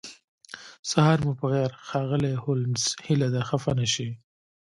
سهار مو پخیر ښاغلی هولمز هیله ده خفه نشئ